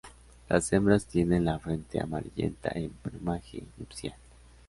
Las hembras tienen la frente amarillenta en plumaje nupcial.